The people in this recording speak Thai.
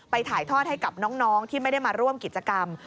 ถ่ายทอดให้กับน้องที่ไม่ได้มาร่วมกิจกรรม